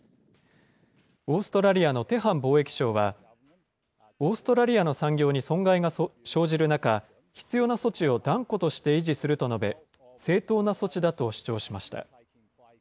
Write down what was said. オーストラリアのテハン貿易相は、オーストラリアの産業に損害が生じる中、必要な措置を断固として維持すると述べ、正当な措置だと主張しました。